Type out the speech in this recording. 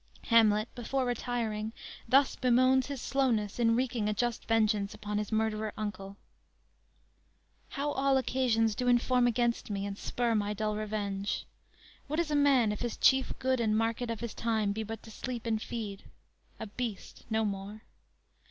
"_ Hamlet before retiring thus bemoans his slowness in wreaking a just vengeance upon his murderer uncle: _"How all occasions do inform against me, And spur my dull revenge! What is a man, If his chief good and market of his time Be but to sleep and feed? a beast, no more.